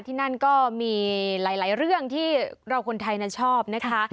ที่นั่นก็มีหลายเรื่องที่เราคนไทยชอบนะคะ